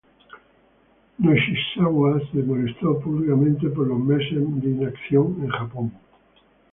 Nishizawa se molestó públicamente por los meses de inacción en Japón.